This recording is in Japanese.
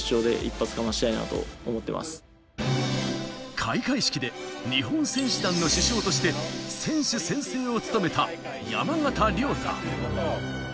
開会式で日本選手団の主将として選手宣誓を務めた山縣亮太。